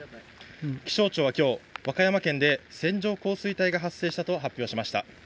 気象庁はきょう、和歌山県で線状降水帯が発生したと発表しました。